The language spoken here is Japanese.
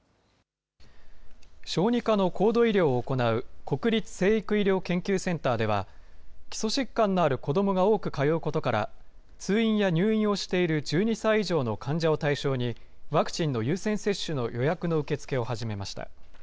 小児科の高度医療を行う、国立成育医療研究センターでは、基礎疾患のある子どもが多く通うことから、通院や入院をしている１２歳以上の患者を対象に、ワクチンの優先接種の予約の受け付けを始めました。